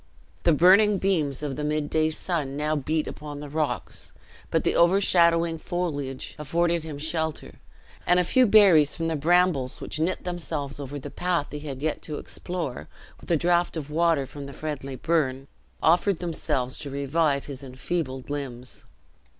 The burning beams of the midday sun now beat upon the rocks, but the overshadowing foliage afforded him shelter, and a few berries from the brambles, which knit themselves over the path he had yet to explore, with a draught of water from a friendly burn, offered themselves to revive his enfeebled limbs.